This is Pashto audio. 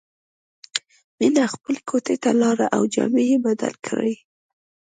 مینه خپلې کوټې ته لاړه او جامې یې بدلې کړې